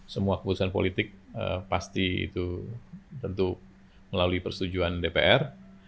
semua keputusan politik pasti itu tentu melalui persetujuan dpr